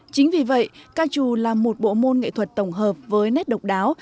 chính vì vậy ca trù là một bộ môn nghệ thuật tổng hợp với nét độc đáo